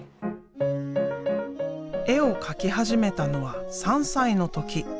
絵を描き始めたのは３歳の時。